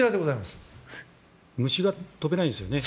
虫が飛べないんですよね。